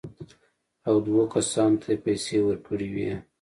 او دوو کسانو ته یې پېسې ورکړې وې.